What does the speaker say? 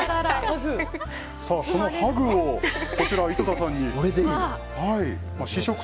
そのハグを、こちら井戸田さんに。